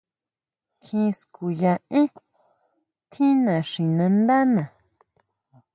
Kjín skuya énn tjín naxinándana.